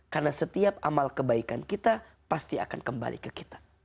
karena setiap amal kebaikan kita pasti akan kembali ke kita